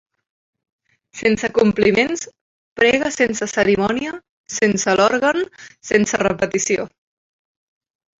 Sense compliments, prega sense cerimònia, sense l'òrgan, sense repetició